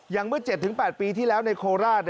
เมื่อ๗๘ปีที่แล้วในโคราช